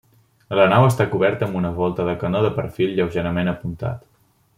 La nau està coberta amb una volta de canó de perfil lleugerament apuntat.